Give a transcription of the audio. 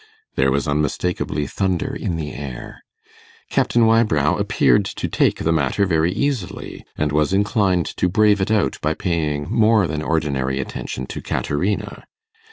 There was unmistakably thunder in the air. Captain Wybrow appeared to take the matter very easily, and was inclined to brave it out by paying more than ordinary attention to Caterina.